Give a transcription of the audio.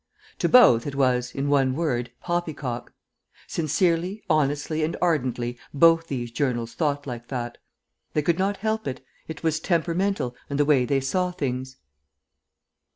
To both it was, in one word, Poppycock. Sincerely, honestly, and ardently, both these journals thought like that. They could not help it; it was temperamental, and the way they saw things.